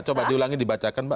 coba diulangi dibacakan mbak